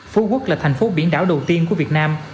phú quốc là thành phố biển đảo đầu tiên của việt nam